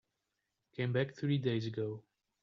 Came back three days ago.